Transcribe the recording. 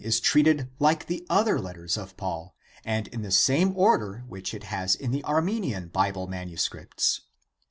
ACTS OF PAUL 37 treated like the other letters of Paul and in the same order which it has in the Armenian Bible manuscripts.